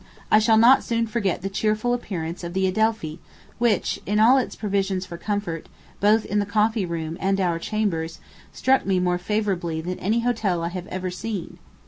I shall not soon forget the cheerful appearance of the Adelphi, which, in all its provisions for comfort, both in the coffee room and our chambers, struck me more favorably than any hotel I had ever seen.